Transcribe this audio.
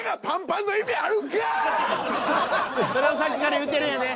それをさっきから言ってるんやで。